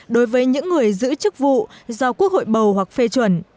đối với những người giữ chức vụ do quốc hội bầu hoặc phê chuẩn